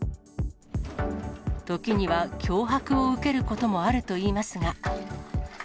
時には脅迫を受けることもあるといいますが。